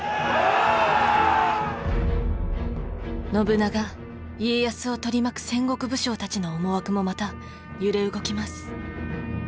信長家康を取り巻く戦国武将たちの思惑もまた揺れ動きます。